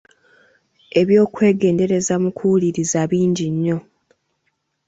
Eby’okwegendereza mu kuwuliriza bingi nnyo.